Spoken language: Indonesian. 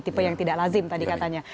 tipe yang tidak lazim tadi katanya